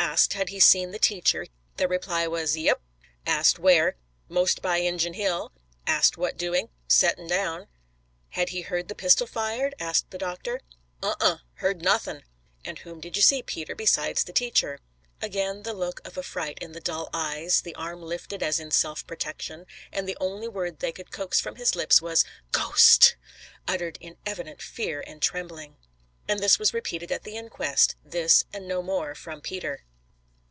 Asked had he seen the teacher, the reply was, "Yep." Asked where, "Most by Injun hill." Asked what doing, "Settin' down." "Had he heard the pistol fired?" asked the doctor. "Un! Uh! Heard nawthin." "And whom did you see, Peter, besides the teacher?" Again the look of affright in the dull eyes, the arm lifted as in self protection, and the only word they could coax from his lips was, "Ghost!" uttered in evident fear and trembling. And this was repeated at the inquest. This, and no more, from Peter.